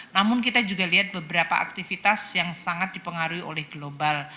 namun kita juga lihat beberapa aktivitas yang sangat dipengaruhi oleh global